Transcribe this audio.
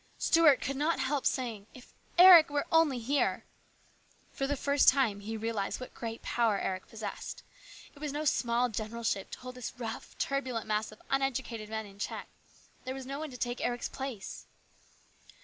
Stuart could not help saying, " If Eric were only here !" For the first time he realised what great power Eric had possessed. It was no small general ship to hold this rough, turbulent mass of uneducated men in check. There was no one to take Eric's place.